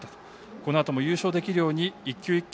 このあとも優勝できるように一球一球